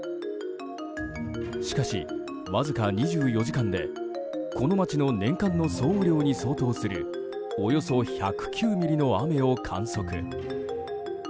しかし、わずか２４時間でこの街の年間の総雨量に相当するおよそ１０９ミリの雨を観測。